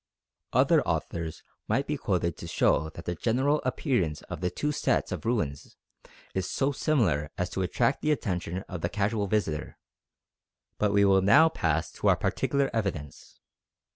Other authors might be quoted to show that the general appearance of the two sets of ruins is so similar as to attract the attention of the casual visitor; but we will now pass to our particular evidence.